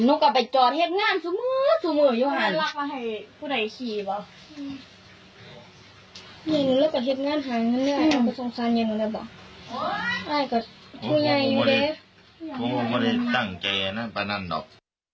โอ้ไม่ได้ตั้งใจนั่นประนันหรอก